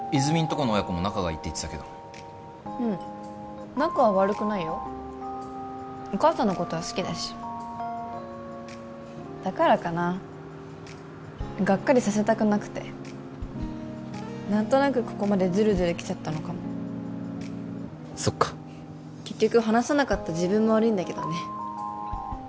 この親子も仲がいいって言ってたけどうん仲は悪くないよお母さんのことは好きだしだからかなあがっかりさせたくなくて何となくここまでズルズルきちゃったのかもそっか結局話せなかった自分も悪いんだけどね